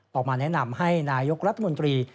ออกมาแนะนำให้นายกรัฐมนตรี